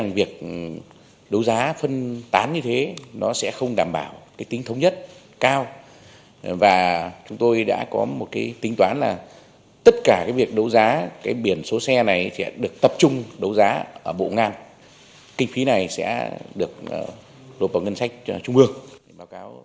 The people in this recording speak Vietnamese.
số xe này sẽ được tập trung đấu giá ở bộ công an kinh phí này sẽ được đột vào ngân sách trung ương